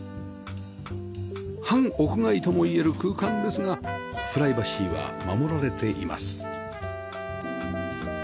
半屋外ともいえる空間ですがプライバシーは守られています